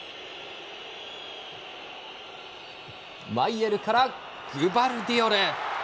マイエルからグバルディオル。